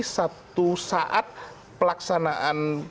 satu saat pelaksanaan